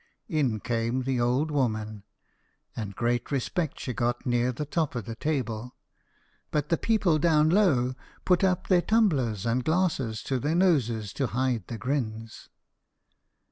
In came the old woman, and great respect she got near the top of the table, but the people down low put up their tumblers and glasses to their noses to hide the grins.